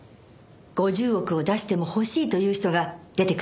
５０億を出しても欲しいという人が出てくるでしょうね。